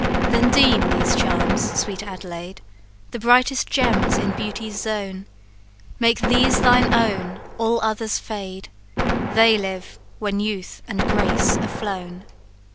Then deem these charms, sweet Adelaide, The brightest gems in beauty's zone: Make these thine own, all others fade; They live when youth and grace are flown."